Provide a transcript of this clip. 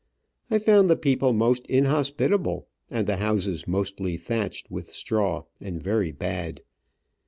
I found the people most inhospitable, and the houses mostly thatched with straw and very bad.